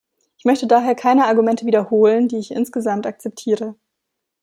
Ich möchte daher keine Argumente wiederholen, die ich insgesamt akzeptiere.